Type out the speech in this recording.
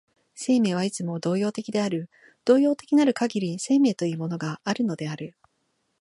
生命はいつも動揺的である、動揺的なるかぎり生命というものがあるのである。